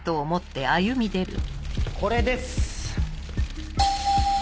これです。